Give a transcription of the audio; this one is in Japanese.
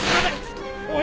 おい！